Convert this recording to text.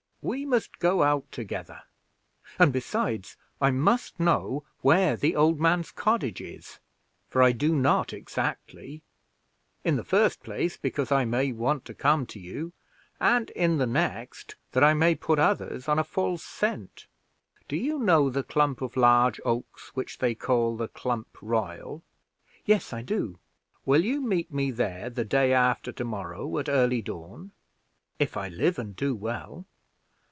We must go out together; and besides, I must know where the old man's cottage is (for I do not exactly), in the first place, because I may want to come to you, and in the next, that I may put others on a false scent. Do you know the clump of large oaks which they call the Clump Royal?" "Yes, I do." "Will you meet me there the day after to morrow, at early dawn?" "If I live and do well."